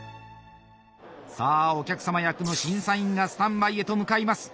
さあお客様役の審査員がスタンバイへと向かいます。